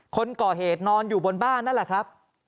คนก่อเหตุนอนอยู่บนบ้านนั่นแหละครับ